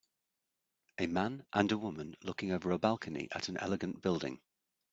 A man and a woman looking over a balcony at an elegant building